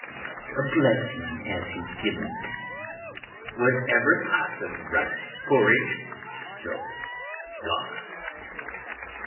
ITHAMORE. What a blessing has he given't! was ever pot of rice porridge so sauced?